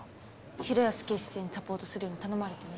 平安警視正にサポートするように頼まれてね。